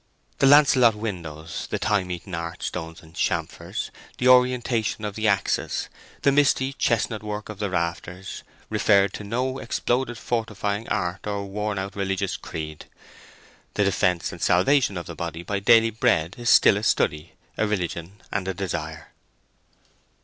The lanceolate windows, the time eaten archstones and chamfers, the orientation of the axis, the misty chestnut work of the rafters, referred to no exploded fortifying art or worn out religious creed. The defence and salvation of the body by daily bread is still a study, a religion, and a desire.